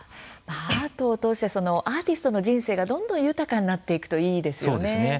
アートを通してアーティストの人生がどんどん豊かになっていくといいですよね。